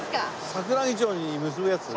桜木町に結ぶやつ？